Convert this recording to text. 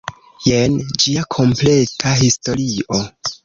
Jen ĝia kompleta historio.